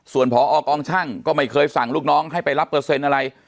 ส่วนพอกองช่างก็ไม่เคยสั่งลูกน้องให้ไปรับเปอร์เซ็นต์อะไร